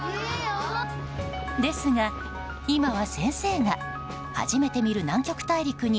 ですが、今は先生が初めて見る南極大陸に